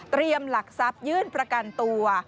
เตรียมหลักทรัพย์ยื่นประกันตัว